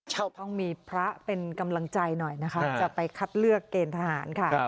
ใจน่าจะศักดิ์สิทธิ์